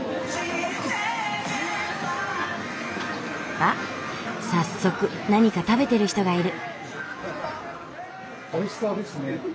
あっ早速何か食べてる人がいる。